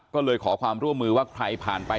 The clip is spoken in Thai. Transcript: ก็เลยขอความร่วมมือว่าใครผ่านไป